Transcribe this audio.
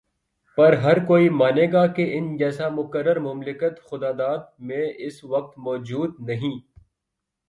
پر ہرکوئی مانے گا کہ ان جیسا مقرر مملکت خداداد میں اس وقت موجود نہیں۔